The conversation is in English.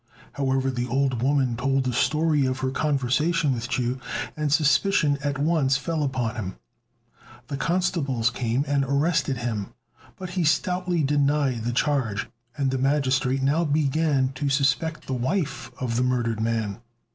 However, the old woman told the story of her conversation with Chu, and suspicion at once fell upon him. The constables came and arrested him; but he stoutly denied the charge; and the magistrate now began to suspect the wife of the murdered man.